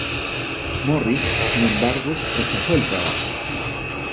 Morris, sin embargo, rechazó el trabajo.